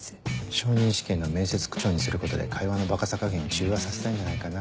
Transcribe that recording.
昇任試験の面接口調にすることで会話のバカさ加減を中和させたいんじゃないかな。